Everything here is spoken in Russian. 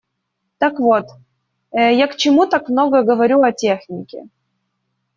Так вот, я к чему так много говорю о технике.